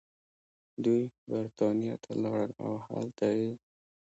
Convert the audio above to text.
دوي برطانيه ته لاړل او هلتۀ ئې